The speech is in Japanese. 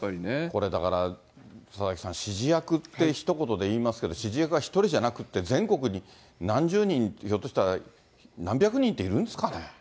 これだから、佐々木さん、指示役ってひと言でいいますけど、指示役は１人じゃなくて、全国に何十人、ひょっとしたら何百人っているんですかね。